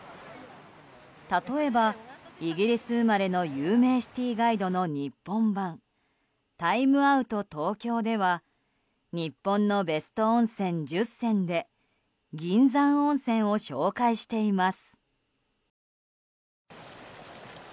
例えば、イギリス生まれの有名シティーガイドの日本版「タイムアウト東京」では日本のベスト温泉１０選で銀山温泉を紹介しています。